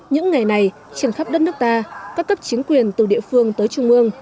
những ngày này trên khắp đất nước ta các cấp chính quyền từ địa phương tới trung ương